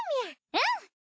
うん！